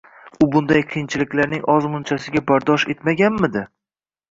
U bunday qiyinchiliklarning ozmunchasiga bardosh etmaganmi-di?!